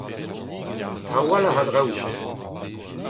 Trawalc'h a draoù !